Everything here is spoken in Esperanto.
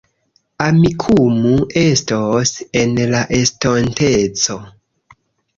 Amikumu estos en la estonteco